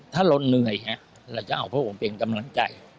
ถ้าเราเหนื่อยเราจะเอาพระองค์เป็นกำลังใจ